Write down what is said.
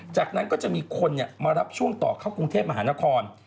จากนั้นก็จะมีคนมารับช่วงต่อเข้ากรุงเทพมหานคร